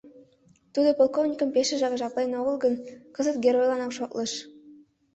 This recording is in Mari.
Тудо полковникым пешыжак жаплен огыл гын, кызыт геройланак шотлыш.